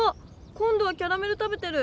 今どはキャラメル食べてる！